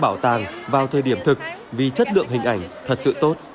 bảo tàng vào thời điểm thực vì chất lượng hình ảnh thật sự tốt